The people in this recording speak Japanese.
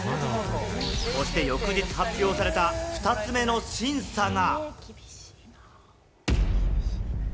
そして翌日発表された、２つ目の審査が。